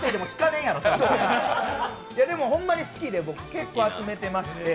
いや、でもほんまに好きで結構集めてまして。